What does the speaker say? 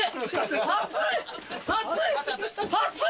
熱い。